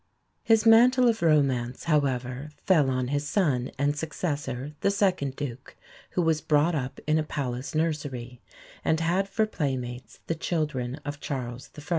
His mantle of romance, however, fell on his son and successor, the second Duke, who was brought up in a Palace nursery, and had for playmates the children of Charles I.